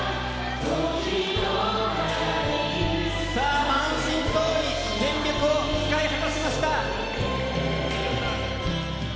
さあ、満身創痍、全力を使い果たしました。